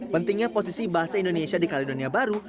pentingnya posisi bahasa indonesia di kaledonia baru